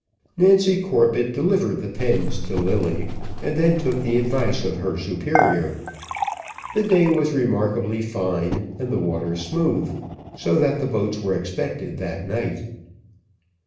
Nancy Corbett delivered the pens to Lilly, and then took the advice of her superior. The day was remarkably fine, and the water smooth, so that the boats were expected that night.